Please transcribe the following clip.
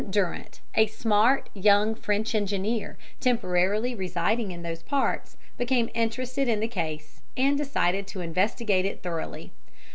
Durant, a smart young French engineer, temporarily residing in those parts, became interested in the case, and decided to investigate it thoroughly.